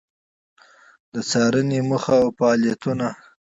د څارنې موخه او فعالیتونه: